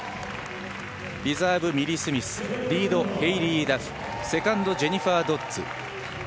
リザーブ、ミリ・スミスリード、ヘイリー・ダフセカンドジェニファー・ドッズ。